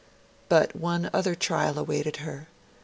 But one other trial awaited her.